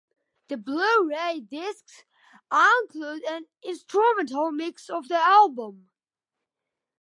The Blu-ray Disc include an instrumental mix of the album.